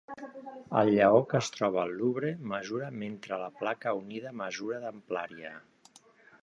El lleó que es troba al Louvre mesura mentre la placa unida mesura d'amplària.